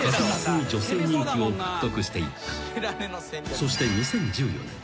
［そして２０１４年］